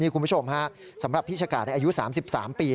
คุณผู้ชมสำหรับพี่ชะกาดอายุ๓๓ปี